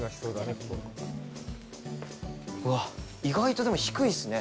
うわ、意外と、でも低いっすね。